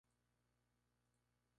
Fue descrito por Wang "et al.